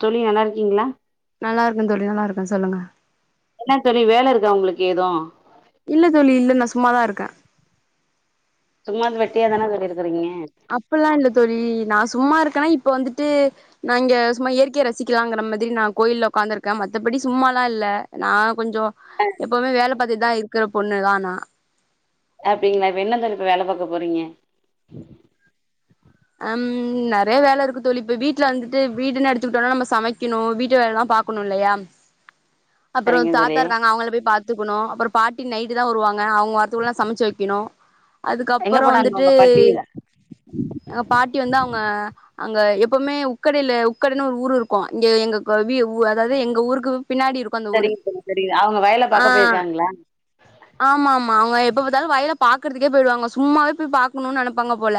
தோழி நல்லாருக்கீங்ளா நல்லாருக்க தோழி நல்லாருக்க சொல்லுங்க என்ன தோழி வேல இருக்கா உங்களுக்கு ஏது இல்ல தோழி இல்ல நா சும்மாதா இருக்கே சும்மா இருந் வெட்டியாதானா தோழி இரு அப்பில்லா இல்ல தோழி நா ஸ் சும்மா இருக்கனா இப்ப வந்துட்டு நா இங்க சும்மா இயற்கைய ரசிக்கலாங்கிற மாதிரி நா கோயில்ல உட்காந்துருக்க மத்தபடி இ சும்மாலா இல்ல நா கொஞ்சோ எப்போமே வேல பாத்துட்தா இருக்குற பொண்ணுதா நா அப்டிங்ளா இப்ப என்ன தோழி இப்ப வேல பாக்க போறீங்க அம் நெறய வேல இருக்கு தோழி இப்ப வீட்ல வந்துட்டு வீடுனு எடுத்துக்கிட்டோனா நம்ப சமைக்கிணு வீட்டு வேலல்லா பா பாக்குணு இல்லையா அப்றோ சரிங்க தோழி தாத்தா இருக்காங்க அவுங்கள போய் பாத் த்துக்குணு அப்றோ பாட்டி நைட்டு தா வருவாங்க அவுங்க வர்த்துக்குல்ல நா சமச்சி வக்கிணு எங்க அதுக்கப்பறோ போனாங்க வந்துட்டு உங்க பாட்டி அ பாட்டி வந்து அவுங்க அங்க எப்பமே உக்கடைல உக்கடைனு ஒரு ஊரு இருக்கு இங்க எங்க கொ வி உ அதாது எங்க ஊருக்கு பின்னாடி இருக்கு அந்த ஊரு சரிங்க தோழி சரிங்க அவங்க வயல ஆ பாக்க போயிருக்காங்களா ஆமா ஆமா அவுங்க எப் ப பாத்தாலு வயல பாக்குறதுக்கே போயிடுவாங்க சும்மாவே போய் பாக்கணுன் நெனப்பாங்க போல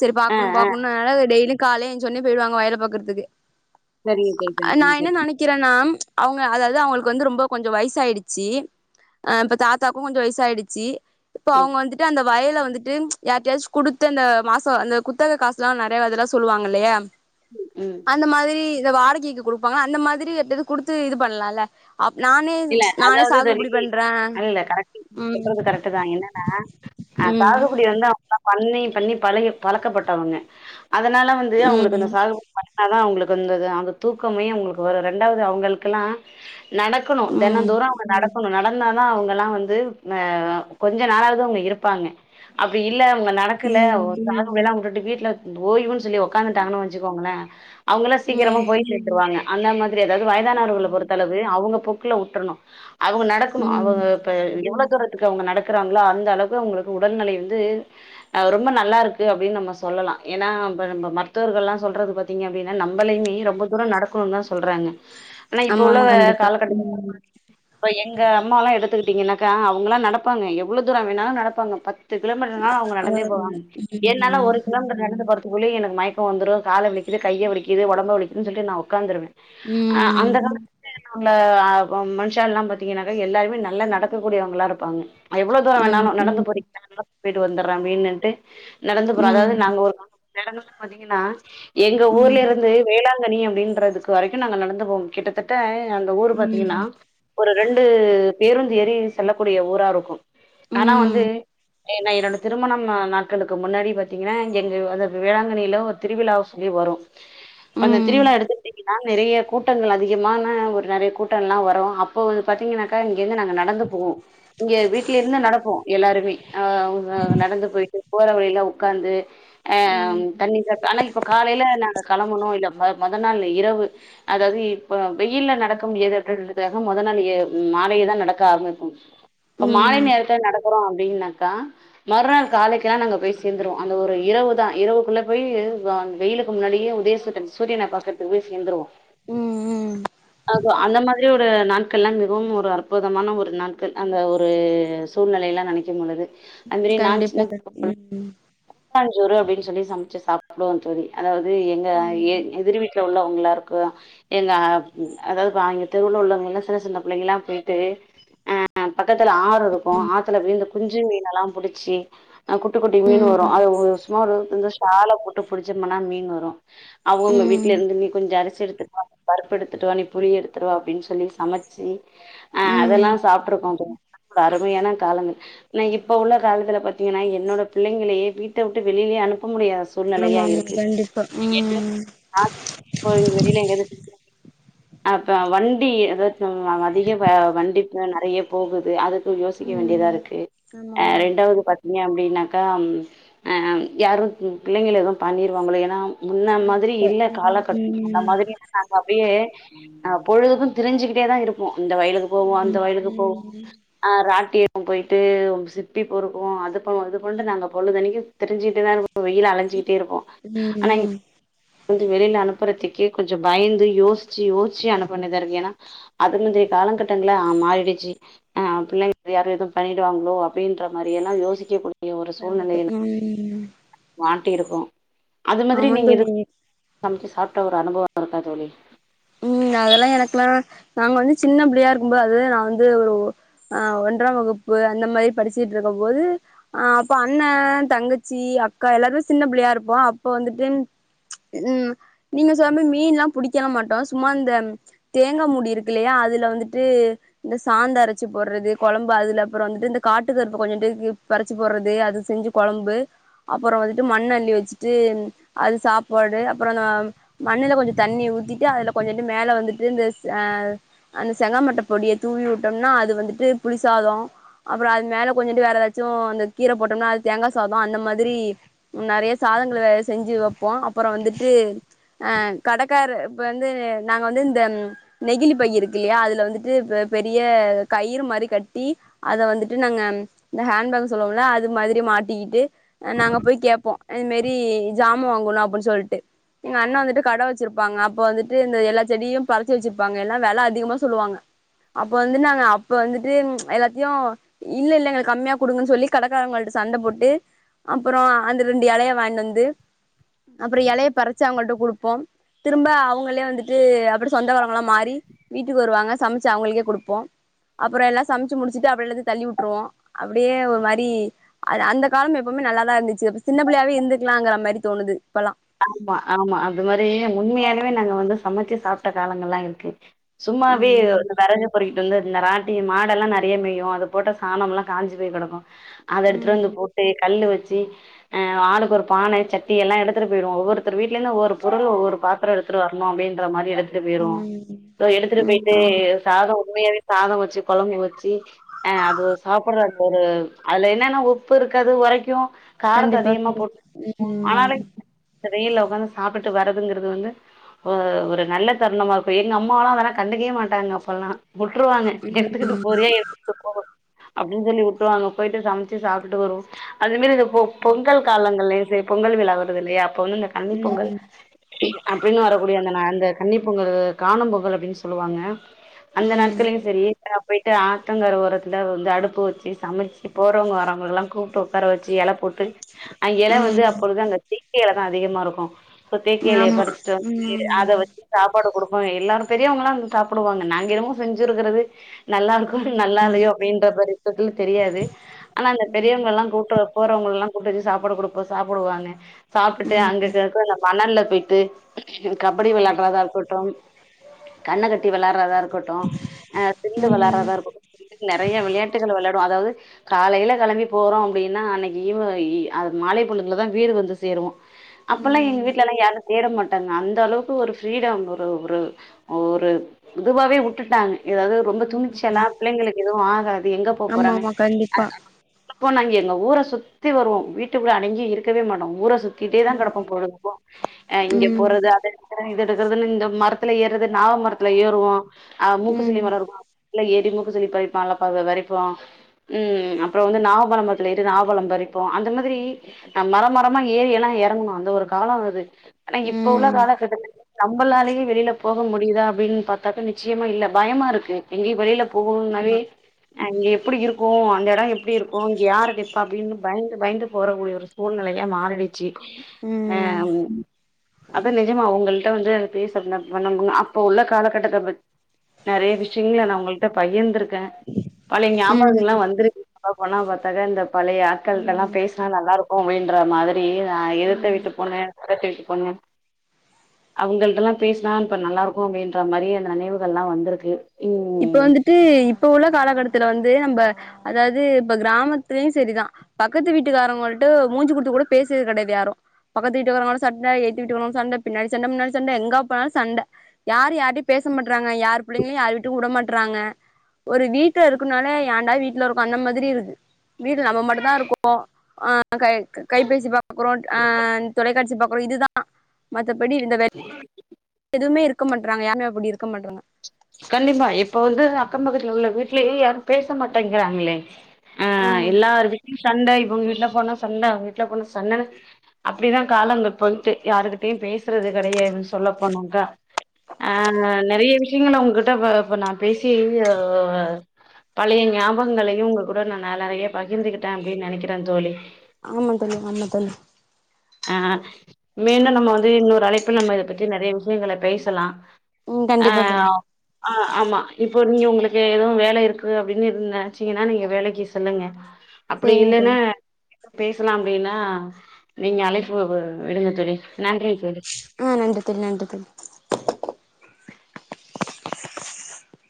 சேரி ஆ பாக்குணு ஆ பாக்குணு னால டெய்லி காலே ஏஞ்சொன்னே போயிடுவாங்க வயல பாக்குறதுக்கு சரிங்க தோழி நா சரிங்க என்ன தோழி நெனக்கிறனா அவுங்க அதாது அவுங்களுக்கு வந்து ரொம்ப கொஞ்ச வயசாயிடுச்சி ஆ இப்ப தாத்தாவுக்கு கொஞ்ச வய்சாயிடுச்சி இப்ப ம் அவுங்க வந்துட்டு அந்த வயல வந்துட்டு ச் யார்டையாச்சு குடுத்து அந்த மாஸ் தோ அந்த குத்தக காசுல்லா நெறயா அதெல்லா சொல்லுவாங்க இல்லையா ம் அந்த மாதிரி இநத வாடகைக்கு குடுப்பாங்க அந்த மாதிரி யார்டயாது குடுத்து இது பண்லால்ல அப் நானே இல்ல நானே அதாவது தோழி சாகுபடி பண்றே இல்ல கரெக்ட் நி ம் சொல்றது கரெக்ட்டுதா என்னனா ஆ ம் சாகுபடி வந்தா லா பண்ணி பண்ணி பழகி பழக்கப்பட்டவங்க அதனால வந்து அவுங்களுக்கு அந்த ம் சாகுபடி பண்ணா ணா அவுங்களுக்கு ந்தது அவுங்க தூக்கமே அவுங்களுக்கு வரு ரண்டாவது அவங்களுக்குல்லா நட க்குணு ம் தினந்தோரு அவுங்க நடக்கணு நட ன்னா தா அவுங்கலா வந்து ந கொஞ்ச நாளாவது அவுங்க இருப்பாங்க அப்டி இல்ல அவுங்க நடக்குல [unintelligible] உட்டுட்டு வீட்ல ஓய்வுனு சொல்லி ஒக்காந்துட்டாங்கன் வச்சுக்கோங்களே அவுங்கல்லா ம் சீக்கிரமா ம் போயி சேந்துருவாங்க அந்த மாதிரி அதாவது வயதானவர்கள பொறுத்தளவு அவுங்க க்ல உட்ரனு அவுங்க நடக்கணு ம் அவுங்க இப்ப எவ்வள தூரத்துக்கு அவுங்க நடக்றாங்களோ அந்த அளவுக்கு அவுங்களுக்கு உடல்நிலை வந்து அ ரொம்ப நல்லா இருக்கு அப்டின் நம்ம சொல் சொல்லலா ஏனா நம்ப மருத்துவர்கலா சொல்றது பாத்திங்க அப்டினா நம்பளையுமே ரொம்ப துரோ நடக்கணுதா சொல்றாங்க. ஆன இப்ப ஆமா ஆமா உள்ளவ கண்டிப்பா காலகட்ட ம் ப்ப எங்க அம்மலா எடுத்துக்கிட்டீங்கன்னாக்கா அவுங்கலா நடப்பாங்க எவ்ளோ தூர வேணாலு நடப்பாங்க பத் த்து கிலோ மீட்டர் நாளு அவுங்க ஆ நடந்தே போவாங்க என்னால ம் ஒரு கிலோமீட்டர் நடந்து போறத் புள்ளயே எனக்கு மயக்க வந்துரு கால வலிக்கிது கைய வலிக்கிது ஓடம்பு வலிக்குது சொல்டு நா உட்காந்துருவே ம் ங்ள அ ம் மனுஷால்லா பாத்தீங்கனாக்க எல்லாருமே நல்லா நடக்கக் கூடியவங்களா இருப்பாங்க எவ்ளோ தூர ஆமா வேணாலு நடந்து ம் போறீங்ளா நடந்து போயிட்டு வந்துர அப்டினுட்டு நடந்து போறோ அதாவது ம் நாங்க ஒரு [inaudible] [inaudible] பாத்தீங்கனா எங்க ம் ஊர்ல ம் இருந்து வேளா கனி அப்டின்றதுக்கு வரைக்கு நாங்க நடந்து போம் கிட்டத்தட்ட அந்த ஊர் ப திங்கனா ம் ஒரு ரெண்டு பேருந்து ஏறி செல்லக்கூடிய ஊரா இருக்கு ஆனா வந்து ம் ஏனா என்னோட திருமணம் நாட்களுக்கு முன்னாடி பாத்தீங்கனா எங்க அத வேளாங்கண்ணியில ஒரு திருவிழாவுக்கு வரு அந்த ம் திருவிழா எடுத்துகிட்டிங்னா நெறய கூட்டங்கள் அதிகமான ஒரு நிறைய கூட் ட்டல்லா வரு அப்போ பாத்தீங்கனாக்கா இங்கந்து நாங்க நடந்து போவோ இங்க வீட்லே இருந்து நடப்போ எல்லாருமே ஆ அவுக நடந்து போயிட்டு போற வழில ஒக்காந்து ஆ ம் தண்ணி சத்த ஆனா இப்ப காலையில நாங்க களம்பணு இல்ல ம் மொத நாள் இரவு அதாவ்து இப்ப வெயில்ல நடக்கும் ஏத [unintelligible] அதுவு மொத நாள் எ மாலைய தா நடக்க ஆரம்பிக்கு இப்ப மாலை ம் நேரத்தில் நடக்கறோ அப்டினாக்கா மறுநாள் காலைக்கெலா நாங்க போய் சேந்திருவோ அந்த ஒரு இரவு தா இரவுக்குள்ள போய் அந் வெயிலக்கு முன்னாடியே உதேசத்த சூரியன பக்கறத்துக் போய் சேந்துருவோ ம் அத அந்த மா ரி ஒரு நாட்கள்லா மிகவும் ஒரு அற்புதமான ஒரு நாட்கள் அந்த ஒரு சூழ்நிலையெலா நெனைக்கும் பொழுது அந்மாரி நா கண்டிப்பா சின்ன கண் [unintelligible] ம் கூட்டாஞ்சோறு அப்டின் சொல்லி சம்ச்சு சாப்டுவோ தோழி அதாவது எங்க எ ம் எதிர் வீட்ல உள்ள வங்களா இருக்கு எங்க அ எதாவ் வாங்கி தெருவுல உள்ளவங்கலா சின்ன சின்ன பிள்ளைங்கல்லா போய்ட்டு அ பக்கத்துல ஆறு இருக்கு ஆத்துல விழுந்து குஞ்சு மீன் எல்லா புடிச்சி அவ குட்டி குட்டி மீன் ம் வரு அது சும்மா ஒரு சால போட்டு புடிச்சோமன்னா மீன் வரு அவங்கவுங்க ம் வீட்ல இருந்து நீ கொஞ்ச அ ர்சி எடுத்துட்டு வா பருப்பு எடுத்துட்டு வா நீ புளி எடுத்துடுவா அப்டின் சொல்லி சமச்சி ஆ அதெல்லா ம் சாப்ட்ருக்கோ அருமையான காலங்கள் எனா இப்ப உள்ள காலத்துல பாத்தீங்கன்னா என்னோட பிள்ளைங்களையே வீட்ட வுட்டு வெளில்யே அனு ப்ப முடியாத ஆமா சூழ்நெலையா ஆமா இருக்கு கண்டிப்பா ம் [unintelligible] கோயில் வெளில எங்யாவ்து அப்ப வண்டி எ [unintelligible] அதிக வ வண்டிப்ப நெறைய போகுது அது தோ யோசிக்க வேண்டியதா ம் இருக்கு ஆமா அ ஆமா ரெண்டாவது பா ஏ அப்டினாக்கா ம் அ யாரு ம் பிள்ளைங்கல எதுவு பண்ணிருவாங்களோ ஏனா முன்ன மாதிரி கண்டிப்பா இல்ல ம் காலக்கட் அந்த ம் மாதிர [inaudible] நாங்க அப்டியே அ பொழுதுக்கு திரிஞ்சுகிட்டே தா இருப்போ இந்த வயலுக்கு போவோ அந்த ம் வயலுக்கு போவோ ஆ ராட்டி போய்ட்டு சிப்பி பொருக்குவோ அதுபோ இதுபண்டு நாங்க பொழுதன்னிக்கு திரிஞ்சிட்ட தா இருபோ வெயில அலஞ்சிட்டே இருப்போ ம் ஆனா ம் [unintelligible] வெளில அனுப் பறத்துக்கே கொஞ்ச பயந்து யோஸ்ச்சு யோஸ் ச்சு அனுப்ப வேண்டிதா இருக்கு ஏனா அது மாதிரி கால கட்டங்களா மாறிடுச்சு ஆ பிள்ளைங்க யாரு எது பண்ணிடுவாங்ளோ அப்டின்ற மாரியல்ல யோசிக்கக்கூடிய ஒரு கண்டிப்பா சூழ்நிலையில ம் வா டு இருக்கு அது மாதிரி ஆமா நீங்க இது தோழி சமச்சு சாப்ட ஒரு அனுபவ இருக்கா தோழி [inaudible] அதெல்ல எனக்குல்லா நாங் வந்து சின்ன பிள்ளையா இருக்கும்போது அது நா வந்து ஒரு அ ஒன்றா வகுப் பு அந்த மாரி படிச்சிட்ருக்குக போது அ அப்ப அண்ணா தங்கச்சி அக்கா எல்லாருமே சின்ன பிள்ளையா இருப்போ அப்ப வந்துட்டு ம் நீங்க சொல்ல மீன்லாம் புடிக்கெல மாட்டோ சும்மா இந்த தேங்கா மூடி இருக்கில்லயா அதுல வந்துட்டு இந்த சாந்த அரச்சு போடுறது கொழம் அதுல அப்புற வந்துட்டு இந்த காட்டு கருப்பு கொஞ்சுன்டுக்கு பறச்சு போட்றது அது செஞ்சு கொழம்பு அப்புறோ வந்துட்டு மண் அள்ளி வெச்சுட்டு அது சாப்பாடு அப்புற அந்த மண்ணுல கொஞ்சு தண்ணி ஊத்திட்டு அதுல கொஞ்சுண்டு மேல வந்துட்டு இந்த அ அந்த செங்காமட்ட பொடிய தூவி வுட்டம்னா அது வந்துட்டு புளிசா தோ அப்புற அது மேல கொஞ்சுண்டு வேற எதாச்சு இந்த கீர போட்டம்னா அத் தேங்கா சாதோ அந்த மாதிரி நெறைய சாதங்கள செஞ்சு வெப்போ அப்புற வந்துட்டு அ கடக்காரு இப்ப ந்து நாங்க வந்து இந்த நெகிலி பை இருக்கில்லியா அதுல வந்துட்டு ப பெரிய கயிறு மாரி கட்டி அத வந்துட்டு நாங்க இந்த ஹேண்பேக் சொல்லுவோல அது மாதிரி மாட்டிக்கிட்டு அ நாங்க போய் கேப்போ அ இந் மேரி ஜாமோ வாங்கணு அப்பன் சொல்ட்டு எங்க அண்ணா வந்துட்டு கட வெச்சிருப்பாங்க அப்போ வந்து ட்டு இந்த எல்லா செடியு பறிச்சி வெச்சிர்ப்பாங்க எல்லா வெல அதிகமா சொல்லுவாங்க அப்ப வந்து நாங்க அப்ப வந்துட்டு ம் எல்லாத்யோ இல்ல இல்ல எங்களுக் கம்மியா குடுங்கன் சொல்லி கடக்காரங்கள்ட சண்ட போட்டு அப்புறோ அந்த ரெண்டு எலைய வாய்ன் வந்து அப்புற எலைய பறச்சு அவங்கள்ட்ட குடுப்போம் திரும்ப அவு ங்களே வந்துட்டு அப்படி சொந்தகாரங்களா மாறி வீட்டுக் வருவாங்க சமச்சு அவுங்களுக்கே குடுப்போ‌ அப்பறோ எல்லா சம்ச்சு முடிச்சுட்டு அப்றோ எல்லாத்யு தள்ளி வுட்ருவோ அப்படியே ஒரு மாரி அ அந்த காலம் எப்பு மே நல்லாதா இருந்துச்சி இப்ப சின்ன பிள்ளையாவே இருந்துக்கலான்ற மாரி தோணுது இப்பல்லா ஆமா ஆமா அது மாரி உண்மையாலுமே நாங்க வந்து சமைச்சு சாப்ட காலங்கள்லா இருக்கு சும்மாவே ம் இந்த வெரகபொறக்கிட்டு வந்து இந்த ரான் அப்டி மாடெல்லா நறைய மேயு அது போட்ட சாணம்லா காஞ்சு போய் கெடக்கு அத எடுத்துட்டு ம் வந்து போட்டு கல்லு வச்சு அ ஆளுக்கு ஒரு பானை சட்டி எல்லா எடுத்துட்டு போயிருவோ ஒவ்வொருதர் வீட்லடயிருந்து ஒவ்வொரு பொருள் ஒவ்வொரு பாத்ரம் எடுத்துட்டு வர்னு அப்டின்ற மாரி எடுத்துட்டு போயிருவோ ம் இதோ எடுத்துட்டு ம் போயிட்டு ஆமா சாதோ உண்மையாவே சாதம் வச்சி கொழம்பு வச்சு அ அது சாப்புட்ற அந்த ஒரு அதுல என்னன்ன உப்பு இருக்காது உரைக்கு காரத்த கண்டிப்பா அதிகமா கண்டிப்பா போட்டு ம் ஆனாலு அந்த வெயில்ல ஒக்காந்து சாப்டுட்டு வரதுங்கிறது வந்து ஒ ஒரு நல்ல தருணமா இருக்கு எங்க அம்மாலா அதெல்லா கண்டுக்கவே மாட்டாங்க அப்பலா உட்ருவாங்க எடுத்துகுட்டு ம் போறியா எடுத்துக்கிட்டு போ அப்டின்னு சொல்லி உட்டுருவாங்க போய்ட்டு சமச்சு சாப்டுட்டு வருவோ அதுமாரி இந்த பொ ம் பொங்கல் காலங்கள்லேயோ செரி பொங்கல் விழா வருது இல்லையா இப்ப வந்து இந்த கன்னி ம் பொங்கல் ம் அப்டின்னு வரக்கூடிய அந்த நா கன்னி பொங்கலு காணும் பொங்கல் அப்டின்னு சொல்லுவாங்க அந்த ம் நாட்கள்லையு செரி போயிட்டு ஆத்தங்கர ஓரத்துல வந்து அடுப்பு வச்சு சமைச்சு போறவங்க வரவங்கல்லா கூப்டு ஒட்கார வச்சு எல போட்டு அங்கேல்ல வந்து அப்பொழுதுதா தேக்கு எல தா அதிகமா இருக்கு சோ தேக்கு எலைய ஆமா பறிச்சிட்டு வந்து ம் அத ம் வச்சு சாப்பாடு குடுப் எல்லாரும் பெரியவங்களாம் வந்து சாப்புடுவாங்க நாங்க என்னமோ செஞ்சி இருக்கறது நல்லா இருக்கோ நல்லா ம் இல்லையோ அப்டின்ற பக்குவத்துல தெரியாது ஆனா அந்த பெரியவங்க எல்லா கூப்டு போறவங்க வங்கல்லா கூட்டு வச்சி சாப்பாடு குடுப்போ சாப்புடுவாங்க ம் சாப்டுட்டு ம் அங்கக்க இருக அந்த மணல்ல போயிட்டு கபடி விளையாட்றதா இருக்கட்டும் கண்ண கட்டி விளாட்றதா இருக்கட்டு அ சில்லு ம் விளாட்றதா இருக்கட்டு டுகல் நறைய விளையாட்டுகள விளையாடுவோ அதாது காலைல களம்பி போறோ அப்டின்னா அன்னைக்கு ஈவ்வ ஈ மாலை பொழுதுலதா வீடு வந்து சேருவோ அப்பல்லா எங்க ம் வீட்லல்லா யான தேட மாட்டாங்க அந்த அளவுக்கு ஒரு ஃப்ரீடம் ஒரு ஒரு ஒரு ஒரு இதுவாவே உட்டுட்டாங்க ஏதாது ரொம்ப துணிச்சல பிள்ளைங்களுக்கு எதுவு ஆகாது எங்க போ ஆமா போறாங்க ஆமா கண்டிப்பா எப்போ நாங்க எங்க ஊர சுத்தி வருவோ வீட்டுகுள்ள அடங்கி இருக்கவே மாட்டோ ஊர சுத்திட்டே தா ம் கெடப்போ பொழுதுக்கு அ இங்க ம் போறது அத எடுக்குறே இத எடுக்கறது இந்த மரத்துல ஏறது நாவமரத்து ஏறுவோ மூக்குசளி ம் மரோ இருக்கு எற அப்டி மூக்குசளி பறிப்பான்ல பறிப்போ ம் அப்புறோ வந்து நாவபழமரத்துல ஏறி நாவபழம் பறிப்போ அந்த மாதிரி நா மரம்மரம மரம்மா ஏறி எல்லா எறங்கணு அந்த ஒரு காலோ அது ஆனா இப்ப உள்ள ம் காலகட்டத்துல நம்பளாலயே வெளில போ போக முடியுதா அப்டின்னு பாத்தாக்க நிச்சயமா இல்ல பயமா இருக்கு எங்கேயு வெளியில ஆமா போகணும்னாவே அங்க எப்டி இருக்கு அந்த எடோ எப்டி இருக்கு இங்க யாருக்கு நிப்ப அப்டின்னு பயந்து பயந்து போறக்கூடிய ஒரு சூழ்நிலைல யா மாறிடுச்சி அ ம் ம் அதா நிஜமா உங்கள்ட வந்து பேச நா பண்ணங்குவ அப்ப உள்ள காலகட்டத்த நறைய விஷயங்கள நா உங்கள்ட பகிர்ந்துயிருக் க பழய ம் ஆமா ஞபகங்கள்லா வந்திருக்கு சொல்ல போனா பாத்தாக்க இந்த பழைய ஆட்கள்கிட்டெல்லா ஆமா பேசுனா நல்லா இருக்கு அப்டின்ற மாரி நா எதுத்த ம் வீட்டு பொண்ணு பக்கத்துவீட்டு பொண்ணு அவுங்கள்டல்லா பேசுனா இப்ப நல்லா இருக்கு அப்டின்ற மாரி அந்த நினைவுகள்லா வந்திருக்கு இப்ப ம் வந்துட்டு இப்ப உள்ள காலகட்டத்துல வந்து நம்ப அதாது இப்ப கிராமத்துலயு செரிதா பக்கத்து வீட்டுக்காரவங்கள்ட மூஞ்சு குடுத்து கூட பேசறது கெடையாது யாரு பக்கத்து வீட்டுக்காரவங்களோட சண்ட எத்துவீட்காரங்களோட சண்ட பின்னாடி சண்ட முன்னாடி சண்ட எங்க போனாலு சண்ட யாரு யார்கிட்டயு பேச மாட் றாங்க யார் பிள்ளைங்களையு யார் வீட்டுக்கு உட மாட்றாங்க ஒரு வீட்டல இருக்குனால யாண்டா வீட் வீட்ல இருக்கு அந்த மாதிரி இருக்கு வீட்டுல நம்ம மட்டு தா இருக்கு கை கைபேசி பாக்றோ அ தொலைக்காட்சி பாக்றோ இதுதா மத் தபடி இந்த வெல் எதுமே இருக்க மாட்றாங்க யாருமே அப்டி இருக்க மாட்றாங்க கண்டிப்பா இப்ப வந்து அக்கம் பக்கத்துல உள்ள வீட்லையே யாரும் பேச மாட்டேங்கிறாங்ளே அ ஆமா எல்லாரு வீட்லியு சண்ட இவுங்க வீட்லப் போனா சொன்ன வீட்ல போனா சன்னனு அப்டிதா கால அங்க போயிட்டு யாருகிட்டியு பேஸ் சறது கெடையாது சொல்ல போனாக்கா அ நெறைய விஷ் ங்கன உங்ககிட்ட இப இப்ப நான் பேசி அ பழைய ஞாபங்களையு உங்க கூட நான் நா நெறைய பகிர்ந்துகிட்டே அப்டின் நெனைக்கிறே தோழி ஆமாந் தோழி ஆமா தோழி அ மேண்டு நம்ம வந்து இன்னொரு அழைப்பில் நம்ம இத பத்தி நெறைய வி ஷியங்கள பேசலா ம் அ கண்டிப்பா தோழி ஆ ஆமா இப்போ நீ உங்குளுக்கு எதவு வேல இருக்கு அப்டின் இருந் நெனச்சிங்கனா நீங்க வேலைக்கு செல்லுங்க அப்டி சேரிங்க தோழி இல்லனா பேசலா அப்டினா நீங்க அழைப்பு வி விடுங்க தோழி நன்றி தோழி அ நன்றி தோழி நன்றி தோழி